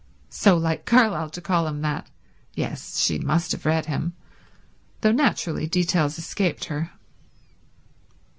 So like Carlyle to call him that. Yes, she must have read him, though naturally details escaped her.